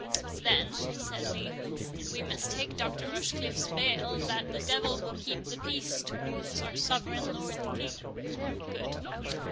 "Then," said Lee, "we must take Dr. Rochecliffe's bail that the devil will keep the peace towards our Sovereign Lord the King—good.